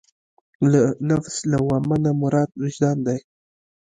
له نفس لوامه نه مراد وجدان دی.